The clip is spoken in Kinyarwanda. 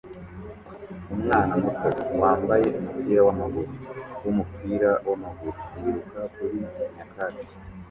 Umwana muto wambaye umupira wamaguru wumupira wamaguru yiruka kuri nyakatsi